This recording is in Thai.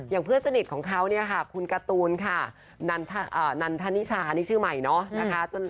เพื่อนสนิทของเขาเนี่ยค่ะคุณการ์ตูนค่ะนันทนิชานี่ชื่อใหม่เนาะนะคะ